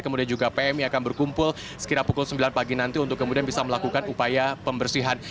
kemudian juga pmi akan berkumpul sekira pukul sembilan pagi nanti untuk kemudian bisa melakukan upaya pembersihan